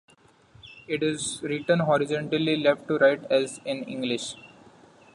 It is written horizontally left to right, as in English.